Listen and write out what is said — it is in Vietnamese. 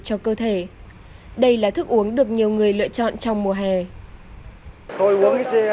cho cơ thể đây là thức uống được nhiều người lựa chọn trong mùa hè tôi uống nước sắn dây đó thì là